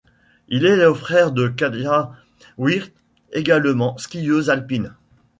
Il est le frère de Katja Wirth, également skieuse alpine.